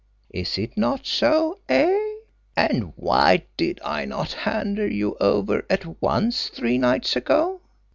Is it not so eh? And why did I not hand you over at once three nights ago?